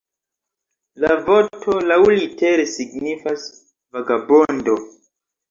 La voto laŭlitere signifas "vagabondo".